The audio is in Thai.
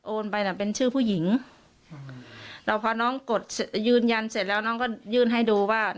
ไปน่ะเป็นชื่อผู้หญิงอืมแล้วพอน้องกดยืนยันเสร็จแล้วน้องก็ยื่นให้ดูว่า